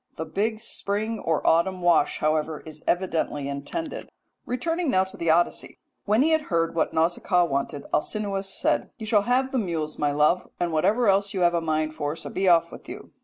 The big spring or autumn wash, however, is evidently intended. Returning now to the Odyssey, when he had heard what Nausicaa wanted Alcinous said: "'You shall have the mules, my love, and whatever else you have a mind for, so be off with you.'